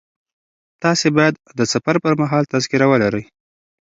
تاسي باید د سفر پر مهال تذکره ولرئ.